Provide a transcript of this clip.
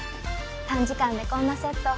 短時間でこんなセットを。